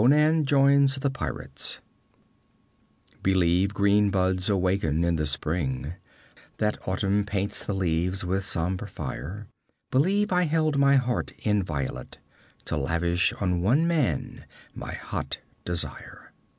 ] 1 Conan Joins the Pirates _Believe green buds awaken in the spring, That autumn paints the leaves with somber fire; Believe I held my heart inviolate To lavish on one man my hot desire.